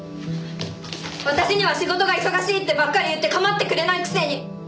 私には仕事が忙しいってばっかり言って構ってくれないくせに！